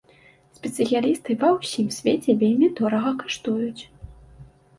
Спецыялісты ва ўсім свеце вельмі дорага каштуюць.